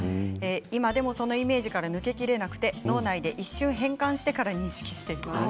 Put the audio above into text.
今でもそのイメージから抜けきれなくて、脳内で一瞬変換してから認識しています。